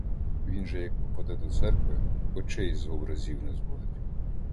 Він же як попаде до церкви — очей з образів не зводить.